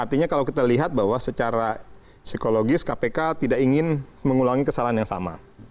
artinya kalau kita lihat bahwa secara psikologis kpk tidak ingin mengulangi kesalahan yang sama